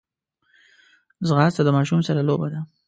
ځغاسته د ماشوم سره لوبه ده